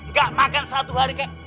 nggak makan satu hari kek